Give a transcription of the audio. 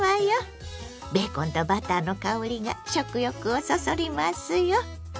ベーコンとバターの香りが食欲をそそりますよ。